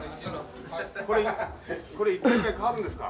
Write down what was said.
これ一回一回変わるんですか？